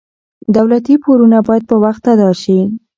دولتي پورونه باید په وخت ادا شي.